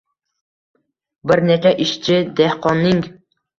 Bir necha ishchi-dehqonning